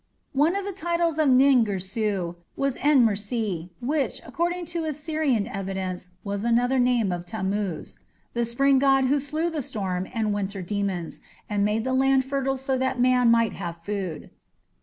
One of the titles of Nin Girsu was En Mersi, which, according to Assyrian evidence, was another name of Tammuz, the spring god who slew the storm and winter demons, and made the land fertile so that man might have food.